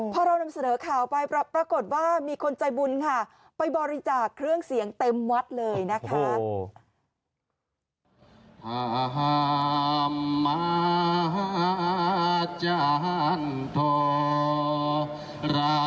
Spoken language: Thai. พอเรานำเสนอข่าวไปปรากฏว่ามีคนใจบุญค่ะไปบริจาคเครื่องเสียงเต็มวัดเลยนะคะ